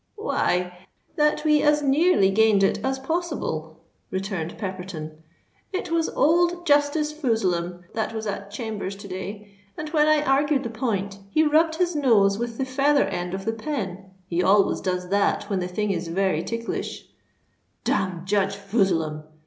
"Why—that we as nearly gained it as possible," returned Pepperton. "It was old Justice Foozlehem that was at Chambers to day; and, when I argued the point, he rubbed his nose with the feather end of the pen—he always does that when the thing is very ticklish——" "Damn Judge Foozlehem!"